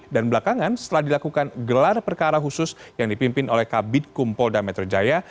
dan belakangan setelah dilakukan gelar perkara khusus yang dipimpin oleh kabit kumpul dametre jaya